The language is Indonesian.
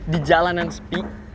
di jalanan sepi